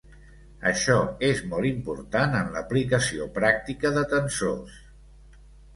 Això és molt important en l'aplicació pràctica de tensors.